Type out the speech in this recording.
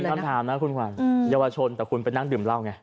อินกอนไทม์นะคุณหวานเยาวชนแต่คุณไปนั่งดื่มเหล้าไง